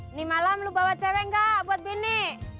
ini malam lo bawa cewek nggak buat bini